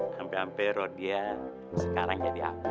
sampai rodia sekarang jadi api